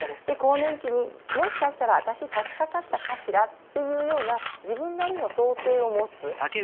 で更年期にもしかしたら私さしかかったかしらっていうような自分なりの想定を持つ。